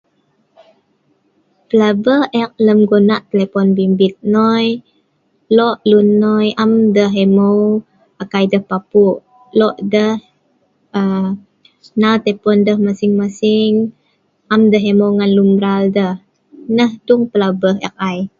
Pelebeh ek lem gonah telephone bimbit noi, lo' lun noi am deh imeu' kai deh papu', lo' deh aaa nal telephone deh masing-masing, am deh imeu' ngan lun mral deh ai, nah dung pelabeh ek ai.